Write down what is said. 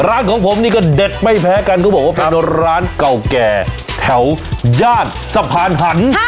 ร้านของผมนี่ก็เด็ดไม่แพ้กันเขาบอกว่าเป็นร้านเก่าแก่แถวย่านสะพานหัน